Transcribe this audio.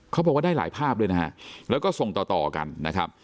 เขาบอกว่าได้หลายภาพด้วยนะฮะแล้วก็ส่งต่อต่อกันนะครับ